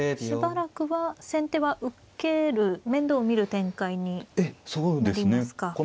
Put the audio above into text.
しばらくは先手は受ける面倒を見る展開になりますか。